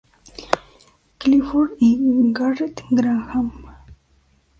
Clifford y Garrett Graham.